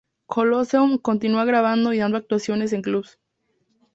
Colosseum continúa grabando y dando actuaciones en clubs.